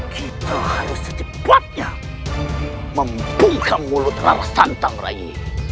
kita harus secepatnya membuka mulut rara santang rai